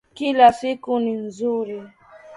Kila siku ni nzuri